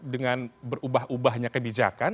dengan berubah ubahnya kebijakan